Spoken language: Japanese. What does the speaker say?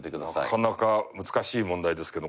なかなか難しい問題ですけど。